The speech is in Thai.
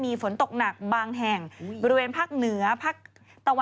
พี่ชอบแซงไหลทางอะเนาะ